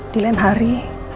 di lain hari